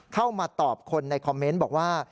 เข้ามาตอบคนในคอมเมนต์บอกว่า